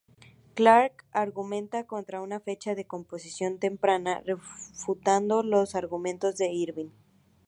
Clark argumenta contra una fecha de composición temprana, refutando los argumentos de Irving.